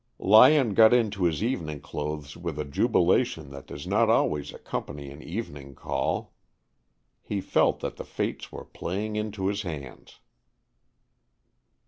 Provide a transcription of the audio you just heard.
Lyon got into his evening clothes with a jubilation that does not always accompany an evening call. He felt that the fates were playing into his hands.